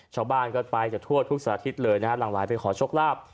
ชาวบ้านก็ไปทั่วทุกสัตว์อาทิตย์เลยนะครับหลังวายไปขอชกลาบ